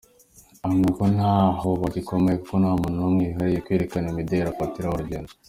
Ahamya ko ntaho yabikomoye kuko nta muntu umwe wihariye Kwerekana imideli afatiraho urugero.